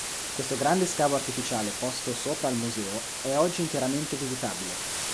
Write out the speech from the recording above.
Questo grande scavo artificiale posto sopra al museo è oggi interamente visitabile.